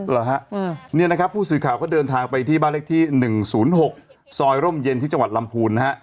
เหรอฮะเนี่ยนะครับผู้สื่อข่าวก็เดินทางไปที่บ้านเลขที่๑๐๖ซอยร่มเย็นที่จังหวัดลำพูนนะฮะ